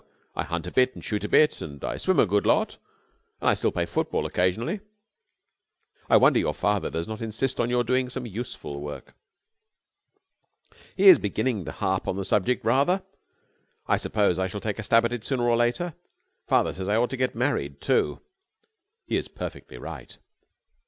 I hunt a bit and shoot a bit and I swim a good lot, and I still play football occasionally." "I wonder your father does not insist on your doing some useful work." "He is beginning to harp on the subject rather. I suppose I shall take a stab at it sooner or later. Father says I ought to get married, too." "He is perfectly right."